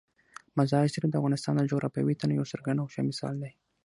مزارشریف د افغانستان د جغرافیوي تنوع یو څرګند او ښه مثال دی.